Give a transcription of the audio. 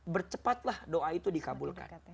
bercepatlah doa itu dikabulkan